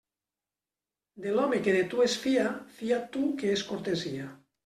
De l'home que de tu es fia, fia't tu, que és cortesia.